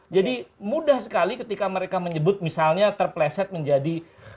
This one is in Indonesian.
jadi mudah sekali ketika mereka menyebut misalnya terpleset menjadi